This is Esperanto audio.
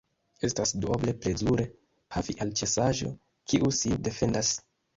Estas duoble plezure pafi al ĉasaĵo, kiu sin defendas.